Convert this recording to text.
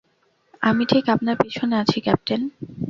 আমি ঠিক আপনার পিছনে আছি, ক্যাপ্টেন।